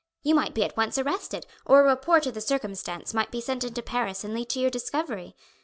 You might be at once arrested, or a report of the circumstance might be sent into Paris and lead to your discovery.